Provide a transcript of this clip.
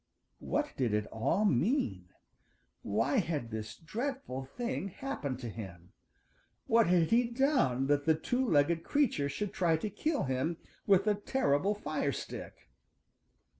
What did it all mean? Why had this dreadful thing happened to him? What had he done that the two legged creature should try to kill him with the terrible fire stick?